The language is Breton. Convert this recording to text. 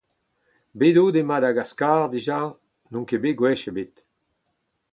Bet out e Madagaskar dija ? N’on ket bet gwech ebet.